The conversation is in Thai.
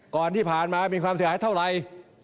ก่อนที่ผ่านมามีความเสียหายเท่าไหร่